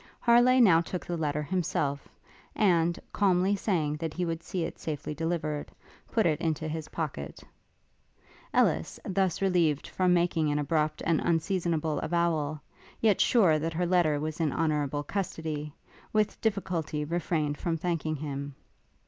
Harleigh now took the letter himself, and, calmly saying that he would see it safely delivered, put it into his pocket. Ellis, thus relieved from making an abrupt and unseasonable avowal, yet sure that her letter was in honourable custody, with difficulty refrained from thanking him.